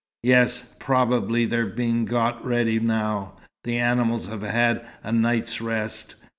"Yes. Probably they're being got ready now. The animals have had a night's rest."